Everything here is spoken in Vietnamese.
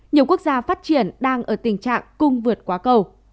nhiều quốc gia phát triển đang ở tình trạng cung vượt quá cầu